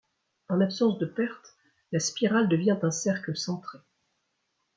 En absence de pertes la spirale devient un cercle centré.